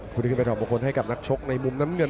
ขึ้นไปถอดมงคลให้กับนักชกในมุมน้ำเงิน